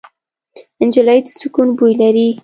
نجلۍ د سکون بوی لري.